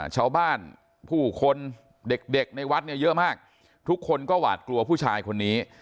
ชาวบ้านผู้คนเด็กในวัดเนี่ยเยอะมากทุกคนก็หวาดกลัวผู้ชายคนนี้